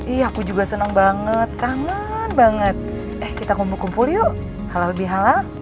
iya aku juga senang banget kangen banget eh kita kumpul kumpul yuk halal bihalal